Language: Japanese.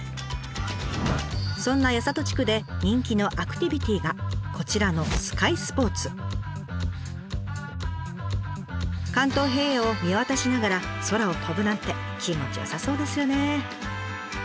そんな八郷地区で人気のアクティビティーがこちらの関東平野を見渡しながら空を飛ぶなんて気持ちよさそうですよね。